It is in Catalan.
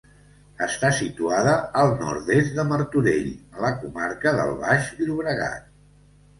Està situada al nord-est de Martorell a la comarca del Baix Llobregat.